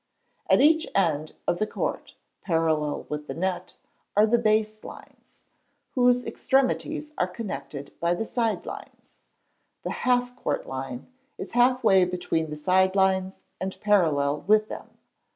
At each end of the court, parallel with the net, are the base lines, whose extremities are connected by the side lines. The half court line is halfway between the side lines and parallel with them.